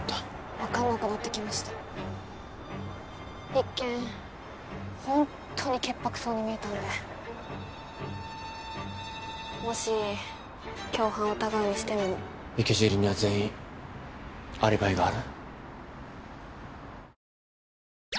分かんなくなってきました一見ホントに潔白そうに見えたんでもし共犯を疑うにしても池尻には全員アリバイがある